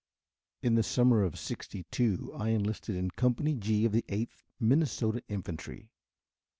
In the summer of '62 I enlisted in Company G of the Eighth Minnesota Infantry.